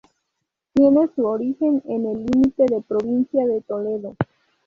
Tiene su origen en el límite de provincia de Toledo.